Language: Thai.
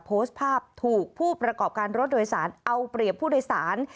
โพสต์ภาพถูกผู้ประกอบการรถโดยสารเอาเปรียบผู้โดยสาร